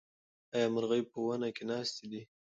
ایا مرغۍ په ونې کې ناستې دي؟